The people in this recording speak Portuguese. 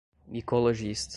micologista